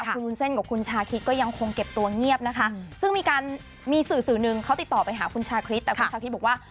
ไปหาคุณชาคริสแต่คุณชาคริสบอกว่า